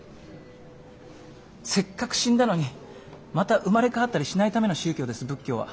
せっかく死んだのにまた生まれ変わったりしないための宗教です仏教は。